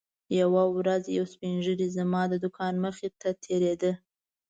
یوه ورځ یو سپین ږیری زما د دوکان مخې ته تېرېده.